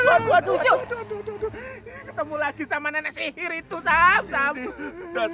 aku juga ingin mengusir mereka dari kampung ini